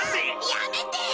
やめてよ！